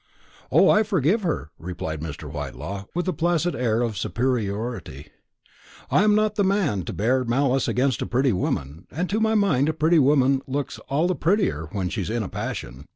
"O, I forgive her," replied Mr. Whitelaw, with a placid air of superiority; "I'm not the man to bear malice against a pretty woman, and to my mind a pretty woman looks all the prettier when she's in a passion.